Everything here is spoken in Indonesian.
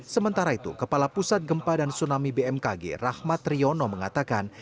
sementara itu kepala pusat gempa dan tsunami bmkg rahmat riono mengatakan